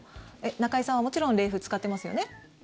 中居さんはもちろん冷風使ってますよね？